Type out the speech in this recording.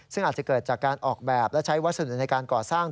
ซึ่งอาจจะเกิดจากการออกแบบและใช้วัสดุในการก่อสร้าง